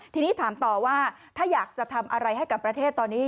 ทีนี้ถามต่อว่าถ้าอยากจะทำอะไรให้กับประเทศตอนนี้